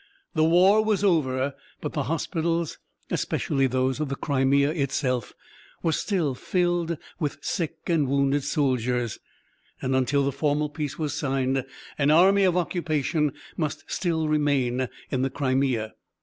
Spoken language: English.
The war was over, but the hospitals, especially those of the Crimea itself, were still filled with sick and wounded soldiers, and until the formal peace was signed an "army of occupation" must still remain in the Crimea.